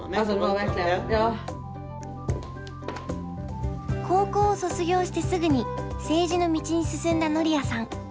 高校を卒業してすぐに政治の道に進んだノリアさん。